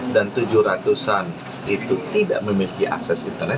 dan tujuh ratus an itu tidak memiliki akses internet